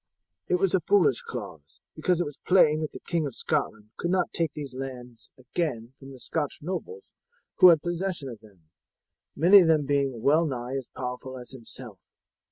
It was a foolish clause, because it was plain that the King of Scotland could not take these lands again from the Scotch nobles who had possession of them, many of them being well nigh as powerful as himself.